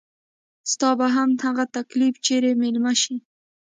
ستا به هم هغه تکليف چري ميلمه شي